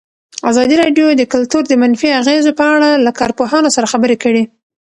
ازادي راډیو د کلتور د منفي اغېزو په اړه له کارپوهانو سره خبرې کړي.